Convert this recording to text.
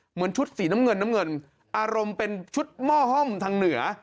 เหมือนชุดสีน้ำเงินน้ำเงินอารมณ์เป็นชุดหม้อห้อมทางเหนือ